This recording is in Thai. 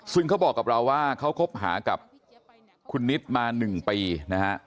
ซึ่งเขาบอกกับเราว่าเขาคบหากับคุณนิดมา๑ปีนะฮะ